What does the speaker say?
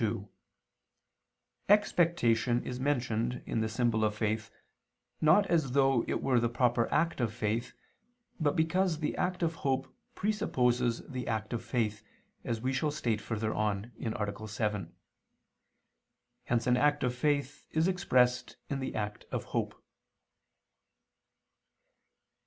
2: Expectation is mentioned in the symbol of faith, not as though it were the proper act of faith, but because the act of hope presupposes the act of faith, as we shall state further on (A. 7). Hence an act of faith is expressed in the act of hope.